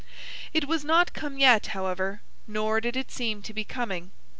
It was not come yet, however, nor did it seem to be coming.